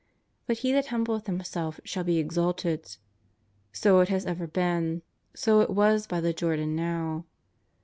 But He that humbleth himself shall be exalted. So it has ever been; so it was by the Jordan now.